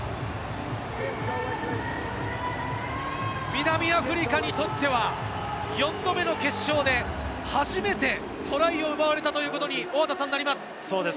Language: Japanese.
南アフリカにとっては４度目の決勝で、初めてトライを奪われたということになります。